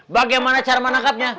bagaimana cara menangkapnya